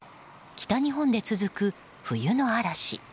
北日本で続く冬の嵐。